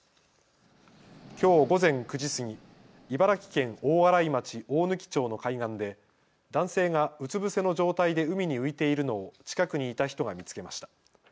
きょう午前９時過ぎ、茨城県大洗町大貫町の海岸で男性がうつ伏せの状態で海に浮いているのを近くにいた人が見つけました。